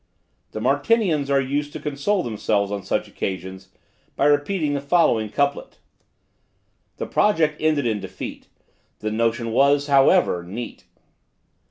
The Martinians are used to console themselves on such occasions, by repeating the following couplet: "The project ended in defeat; The notion was, however, neat."